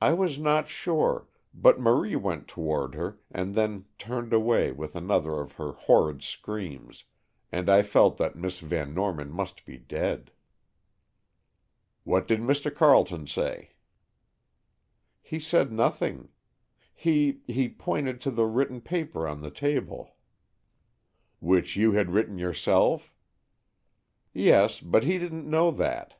"I was not sure, but Marie went toward her, and then turned away with another of her horrid screams, and I felt that Miss Van Norman must be dead." "What did Mr. Carleton say?" "He said nothing. He—he pointed to the written paper on the table." "Which you had written yourself?" "Yes, but he didn't know that."